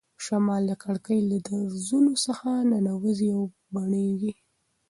شمال د کړکۍ له درزونو څخه ننوځي او بڼیږي.